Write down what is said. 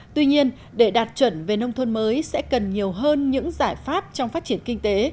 tuy nhiên để đạt chuẩn về nông thôn mới sẽ cần nhiều hơn những giải pháp trong phát triển kinh tế